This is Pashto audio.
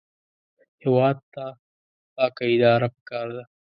هېواد ته پاکه اداره پکار ده